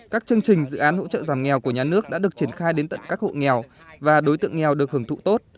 các chương trình dự án hỗ trợ giảm nghèo của nhà nước đã được triển khai đến tận các hộ nghèo và đối tượng nghèo được hưởng thụ tốt